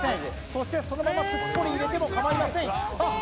そしてそのまますっぽり入れてもかまいませんあっ